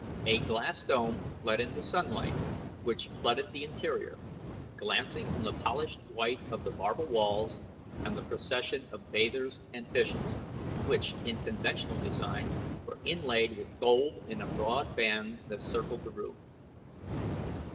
A glass dome let in the sun light, which flooded the interior, glancing from the polished white of the marble walls and the procession of bathers and fishes, which, in conventional design, were inlaid with gold in a broad band that circled the room.